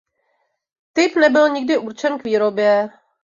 Typ nebyl nikdy určen k výrobě.